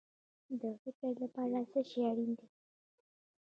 د فکر لپاره څه شی اړین دی؟